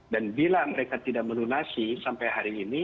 dan bila mereka tidak melunasi sampai hari ini